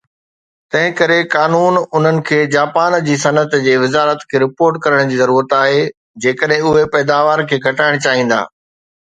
تنهن ڪري، قانون انهن کي جاپان جي صنعت جي وزارت کي رپورٽ ڪرڻ جي ضرورت آهي جيڪڏهن اهي پيداوار کي گهٽائڻ چاهيندا